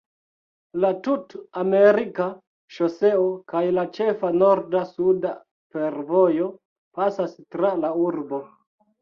La Tut-Amerika Ŝoseo kaj la ĉefa norda-suda fervojo pasas tra la urbo.